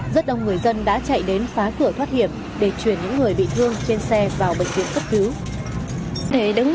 rất đông người dân đã chạy đến phá cửa thoát hiểm để chuyển những người bị thương trên xe vào bệnh viện cấp cứu